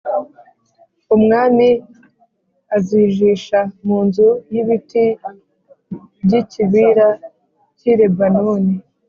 Umwami azijisha mu nzu y’ibiti by’ikibira cy’i Lebanoni